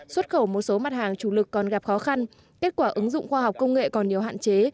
xuất khẩu một số mặt hàng chủ lực còn gặp khó khăn kết quả ứng dụng khoa học công nghệ còn nhiều hạn chế